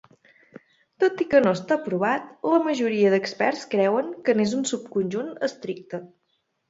Tot i que no està provat, la majoria d'experts creuen que n'és un subconjunt estricte.